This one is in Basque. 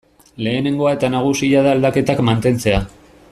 Lehenengoa eta nagusia da aldaketak mantentzea.